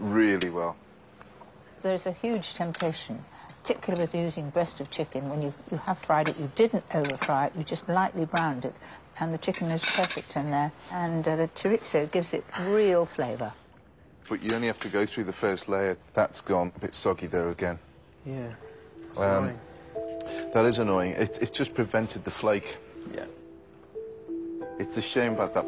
はい。